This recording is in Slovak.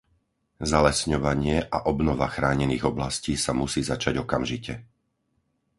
Zalesňovanie a obnova chránených oblastí sa musí začať okamžite.